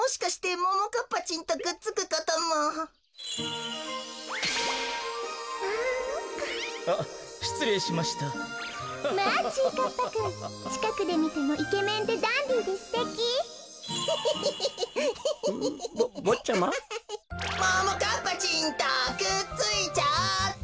ももかっぱちんとくっついちゃおうっと！